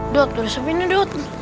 dut terus semina dut